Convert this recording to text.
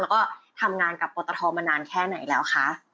แล้วก็ทำงานกับปตทมานานแค่ไหนแล้วคะ